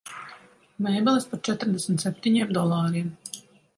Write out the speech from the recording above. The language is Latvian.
Mēbeles par četrdesmit septiņiem dolāriem.